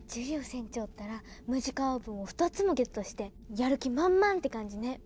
船長ったらムジカオーブを２つもゲットしてやる気満々って感じね。